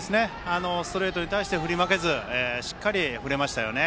ストレートに対して振り負けず、しっかり振れました。